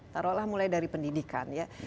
taruhlah mulai dari pendidikan